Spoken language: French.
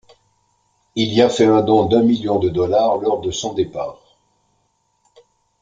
Il y a fait un don d'un million de dollars lors de son départ.